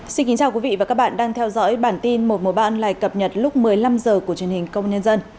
xin kính chào quý vị và các bạn đang theo dõi bản tin một một bạn lại cập nhật lúc một mươi năm h của truyền hình công nhân dân